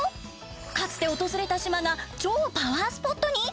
かつて訪れた島が超パワースポットに？